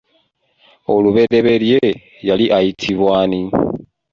Olubereberye yali ayitibwa ani?